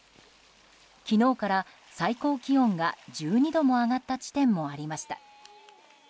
昨日から最高気温が１２度も上がった地点もありました。